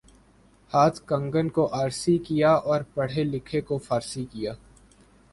ہاتھ کنگن کو آرسی کیا اور پڑھے لکھے کو فارسی کیا